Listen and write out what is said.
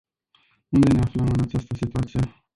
Unde ne aflăm în această situație?